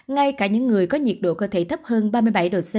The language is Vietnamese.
ngay cả những người có nhiệt độ cơ thể thấp hơn ba mươi bảy độ c